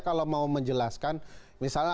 kalau mau menjelaskan misalnya